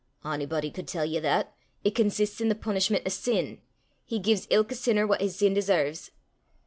"Onybody could tell ye that: it consists i' the punishment o' sin. He gies ilka sinner what his sin deserves."